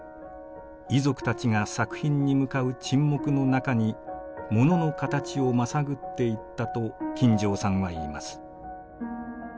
遺族たちが作品に向かう沈黙の中に物の形をまさぐっていったと金城さんは言います。